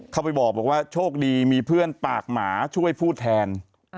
เข้าไปบอกว่าโชคดีมีเพื่อนปากหมาช่วยพูดแทน